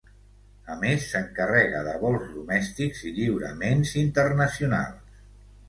A més s'encarrega de vols domèstics i lliuraments internacionals.